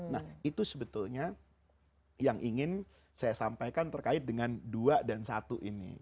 nah itu sebetulnya yang ingin saya sampaikan terkait dengan dua dan satu ini